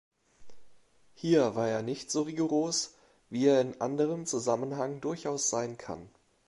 Hier war er nicht so rigoros wie er in anderem Zusammenhang durchaus sein kann.